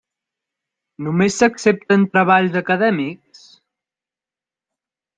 Només s'accepten treballs acadèmics?